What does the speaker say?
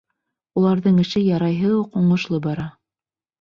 Уларҙың эше ярайһы уҡ уңышлы бара.